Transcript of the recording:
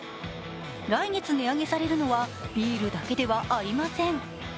来月値上げされるのはビールだけではありません。